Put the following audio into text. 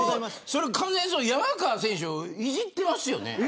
山川選手をいじってますよね。